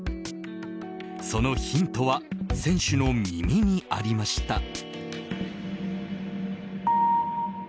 そのヒントは選手の耳にありました。